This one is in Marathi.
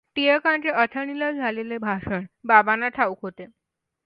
टिळकांचे अथणीला झालेले भाषण बाबांना ठाऊक होते.